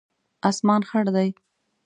اسمان خړ دی